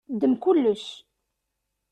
Ddem kullec.